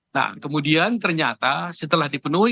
nah kemudian ternyata setelah dipenuhi